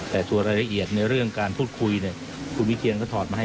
เป็นอะไรละเอียดในเรื่องการพูดคุยเนี่ย